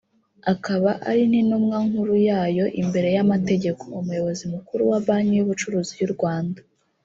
akaba ari n’intumwa nkuru yayo imbere y’amategeko ; Umuyobozi Mukuru wa Banki y’Ubucuruzi y’u Rwanda